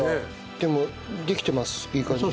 でもできてますいい感じで。